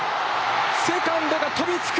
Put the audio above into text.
セカンドが飛びつく！